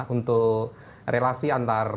untuk relasi antara